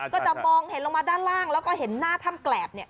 ก็จะมองเห็นลงมาด้านล่างแล้วก็เห็นหน้าถ้ำแกรบ